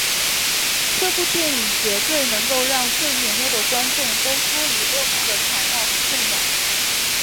这部电影绝对能够让最年幼的观众都脱离噩梦的缠绕和困扰。